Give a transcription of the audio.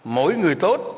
mỗi người tốt